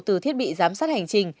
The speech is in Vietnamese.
từ thiết bị giám sát hành trình